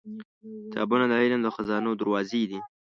• کتابونه د علم د خزانو دروازې دي.